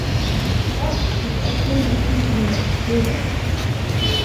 Spelt is also mentioned in the Bible.